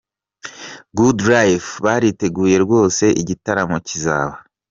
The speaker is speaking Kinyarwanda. Good Life bariteguye rwose igitaramo kizaba”.